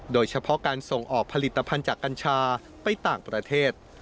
โดยเฉพาะการส่งออกผลิตภัณฑ์จากกัญชาไปต่างประเทศ